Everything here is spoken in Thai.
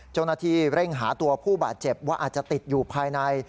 เจ้าหน้าที่เร่งหาตัวผู้บาดเจ็บว่าอาจจะติดอยู่ภายใน